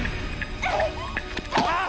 あっ！